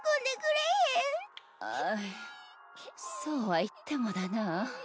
あっそうはいってもだな。